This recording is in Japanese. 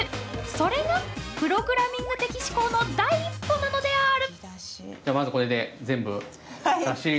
それがプログラミング的思考の第一歩なのである！